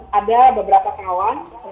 nah mulai dari penyusunan ini sangat terhubung